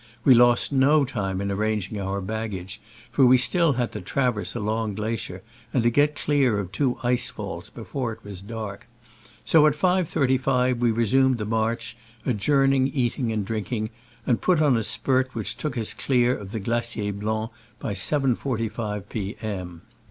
We lost no time in arranging our baggage, for we had still to traverse a long glacier, and to get dear of two ice falls before it was dark; so at 5.35 we resumed the march, adjourning eat ing and drinking, and put on a spurt which took us clear of the Glacier Blanc by 7.45 p. M.